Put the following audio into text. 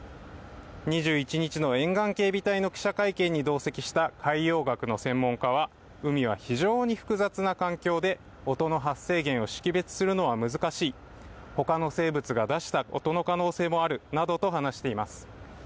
２１日の沿岸警備隊の記者会見に同席した海洋学の専門家は海は非常に複雑な環境で音の発生源を識別するのは難しい、他の生物が出した音の可能性があるなどと話しています。